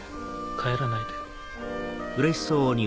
帰らないで。